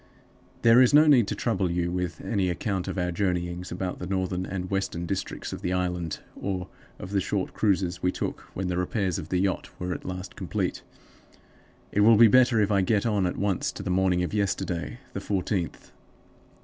"There is no need to trouble you with any account of our journeyings about the northern and western districts of the island, or of the short cruises we took when the repairs of the yacht were at last complete. It will be better if I get on at once to the morning of yesterday, the fourteenth.